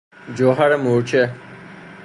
جوهر مورچه